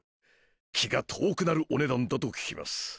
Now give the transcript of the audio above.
気が遠くなるお値段だと聞きます。